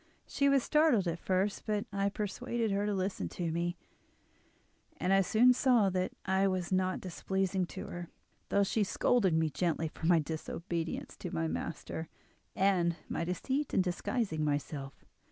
She was startled at first; but I persuaded her to listen to me, and I soon saw that I was not displeasing to her, though she scolded me gently for my disobedience to my master, and my deceit in disguising myself.